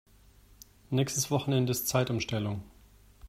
Nächstes Wochenende ist Zeitumstellung.